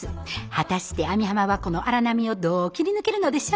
果たして網浜はこの荒波をどう切り抜けるのでしょうか？